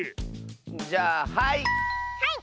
じゃあはい！